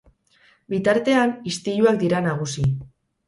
Bitartean, istiluak dira nagusi.